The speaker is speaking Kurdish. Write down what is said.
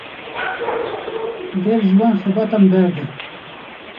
Dev ji van xebatan berde.